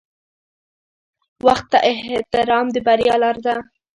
• وخت ته احترام د بریا لاره ده.